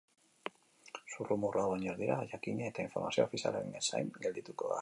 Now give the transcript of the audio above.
Zurrumurruak baino ez dira, jakina, eta informazio ofizialaren zain geldituko gara.